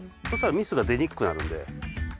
そしたらミスが出にくくなるんで。